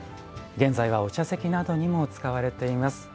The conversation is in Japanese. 現在はお茶席などにも使われています。